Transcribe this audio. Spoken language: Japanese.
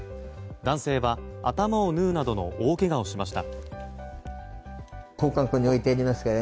男性は、頭を縫うなどの大けがをしました。